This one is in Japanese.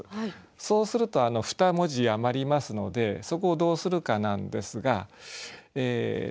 そうすると２文字余りますのでそこをどうするかなんですがえっとですね。